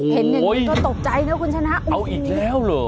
เห็นอย่างนี้ก็ตกใจนะคุณชนะเอาอีกแล้วเหรอ